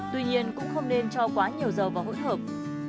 tuy nhiên cũng không nên cho quá nhiều dầu và hỗn hợp